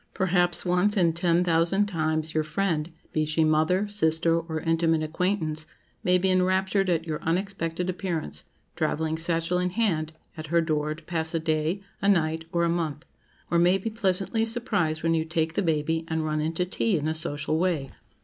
Perhaps once in ten thousand times, your friend—be she mother, sister, or intimate acquaintance—may be enraptured at your unexpected appearance, travelling satchel in hand, at her door, to pass a day, a night, or a month; or may be pleasantly surprised when you take the baby, and run in to tea in a social way.